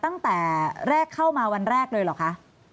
ตั้งแต่แรกเข้ามาวันแรกเลยเหรอคะ